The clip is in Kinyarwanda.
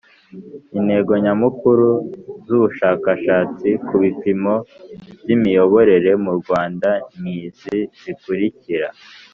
Intego nyamukuru z ubushakashatsi ku bipimo by imiyoborere mu rwanda ni izi zikurikira